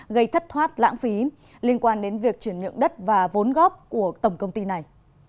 gây thất thoát lãng phí liên quan đến việc chuyển nhượng đất và vốn góp của tổng công ty này